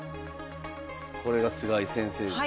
これが菅井先生ですね。